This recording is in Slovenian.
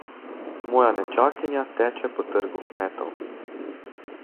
Moja nečakinja teče po trgu kmetov.